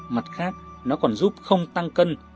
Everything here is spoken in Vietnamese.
mặt khác nó còn giúp không tăng cân